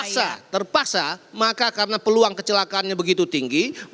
terpaksa terpaksa maka karena peluang kecelakaannya begitu tinggi